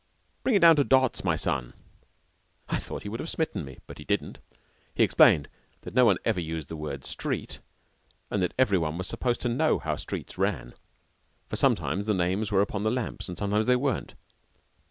Bring it down to dots, my son." I thought he would have smitten me, but he didn't. He explained that no one ever used the word "street," and that every one was supposed to know how the streets ran, for sometimes the names were upon the lamps and sometimes they weren't.